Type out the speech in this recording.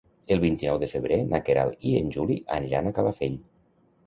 El vint-i-nou de febrer na Queralt i en Juli aniran a Calafell.